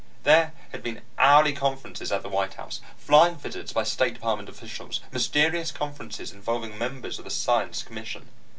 There had been hourly conferences at the White House, flying visits by State Department officials, mysterious conferences involving members of the Science Commission.